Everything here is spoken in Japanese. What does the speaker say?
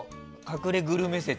隠れグルメ説。